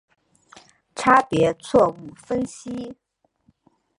差别错误分析。